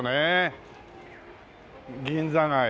銀座街。